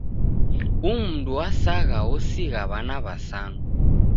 Umundu wasagha osigha w'ana w'asanu.